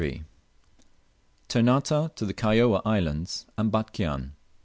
TERNATE TO THE KAIOA ISLANDS AND BATCHIAN.